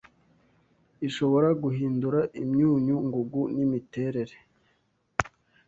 ishobora guhindura imyunyu ngugu n'imiterere